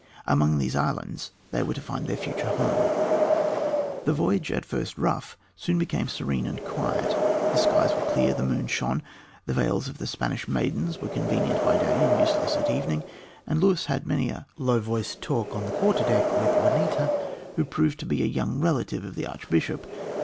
Among these islands they were to find their future home. The voyage, at first rough, soon became serene and quiet; the skies were clear, the moon shone; the veils of the Spanish maidens were convenient by day and useless at evening, and Luis had many a low voiced talk on the quarter deck with Juanita, who proved to be a young relative of the archbishop.